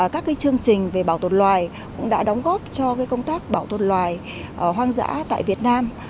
các chương trình về bảo tồn loài cũng đã đóng góp cho công tác bảo tồn loài hoang dã tại việt nam